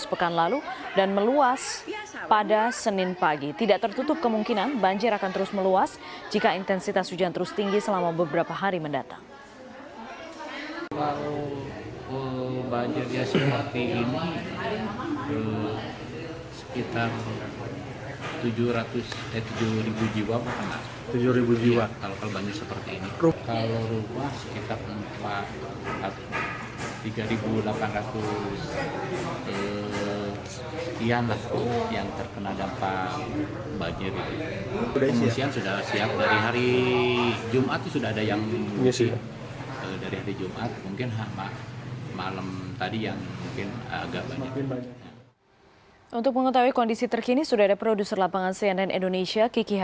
sejumlah warga kampung bojong asih mulai mengungsi ke gerbang gerbang yang berada di kampung bojong asih